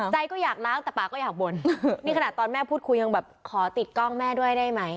ก็อยากล้างแต่ป่าก็อยากบ่นนี่ขนาดตอนแม่พูดคุยยังแบบขอติดกล้องแม่ด้วยได้ไหม